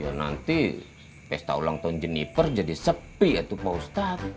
ya nanti pesta ulang tahun jeniper jadi sepi itu pak ustadz